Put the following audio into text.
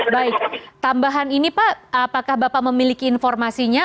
baik tambahan ini pak apakah bapak memiliki informasinya